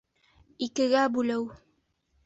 Икегә бүлеү